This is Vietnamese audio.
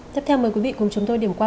tiếp theo mời quý vị cùng chúng tôi điểm qua